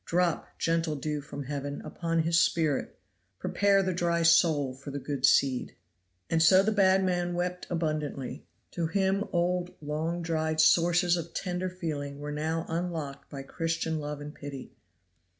Drop, gentle dew from heaven, upon his spirit; prepare the dry soul for the good seed!" And so the bad man wept abundantly; to him old long dried sources of tender feeling were now unlocked by Christian love and pity.